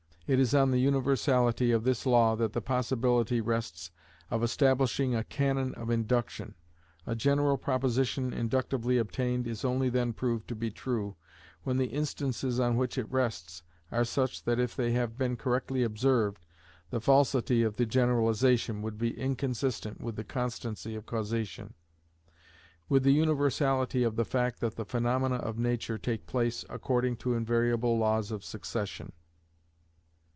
It is on the universality of this law that the possibility rests of establishing a canon of Induction. A general proposition inductively obtained is only then proved to be true, when the instances on which it rests are such that if they have been correctly observed, the falsity of the generalization would be inconsistent with the constancy of causation; with the universality of the fact that the phaenomena of nature take place according to invariable laws of succession.